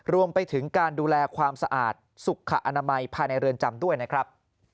รวมไปถึงการดูแลความสะอาดสุขอนามัยภายในเรือนจำด้วยนะครับ